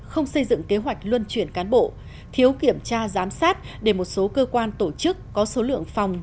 không xây dựng kế hoạch luân chuyển cán bộ thiếu kiểm tra giám sát để một số cơ quan tổ chức có số lượng phòng